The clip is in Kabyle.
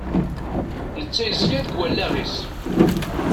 Netta yezga deg wallaɣ-is.